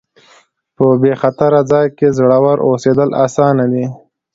په بې خطره ځای کې زړور اوسېدل اسانه دي.